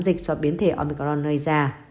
dịch do biến thể omicron lây ra